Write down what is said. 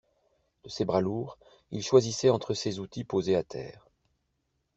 De ses bras lourds, il choisissait entre ses outils posés à terre.